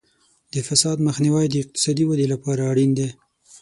د فساد مخنیوی د اقتصادي ودې لپاره اړین دی.